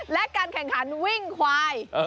และการแข่งขันวิ่งควาย